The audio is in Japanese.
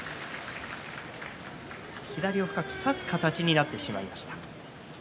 左を深く差す形になってしまいました。